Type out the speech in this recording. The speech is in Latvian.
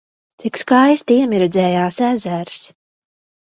Cik skaisti iemirdzējās ezers!